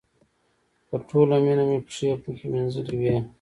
په ټوله مینه مې پښې پکې مینځلې وې.